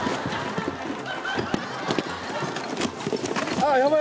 ああやばい